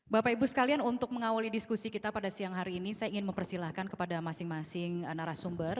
bapak ibu sekalian untuk mengawali diskusi kita pada siang hari ini saya ingin mempersilahkan kepada masing masing narasumber